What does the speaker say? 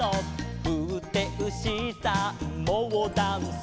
「ふってうしさんモーダンス」